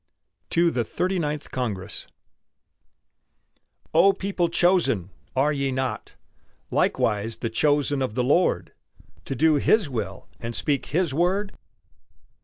TO THE THIRTY NINTH CONGRESS O people chosen! are ye not Likewise the chosen of the Lord, To do His will and speak His word?